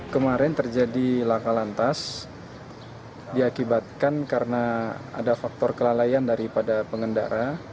kemarin terjadi laka lantas diakibatkan karena ada faktor kelalaian daripada pengendara